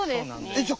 えっじゃ